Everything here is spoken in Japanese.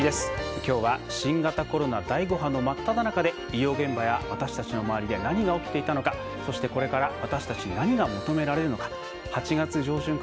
きょうは新型コロナ第５波の真っただ中で医療現場や、私たちの周りで何が起きていたのかそして、これから私たちに何が求められるのか。